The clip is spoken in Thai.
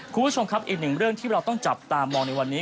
คุณผู้ชมครับอีกหนึ่งเรื่องที่เราต้องจับตามองในวันนี้